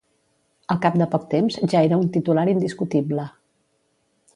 Al cap de poc temps ja era un titular indiscutible.